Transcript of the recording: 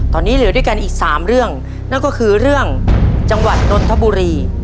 ตอนนี้เหลือด้วยกันอีกสามเรื่องนั่นก็คือเรื่องจังหวัดนนทบุรี